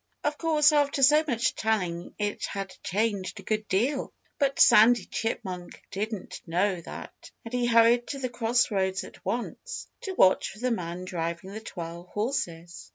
Of course, after so much telling it had changed a good deal. But Sandy Chipmunk didn't know that. And he hurried to the cross roads at once, to watch for the man driving the twelve horses.